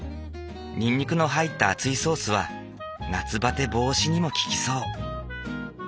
にんにくの入った熱いソースは夏バテ防止にも効きそう。